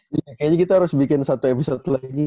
ya kayaknya kita harus bikin satu episode lagi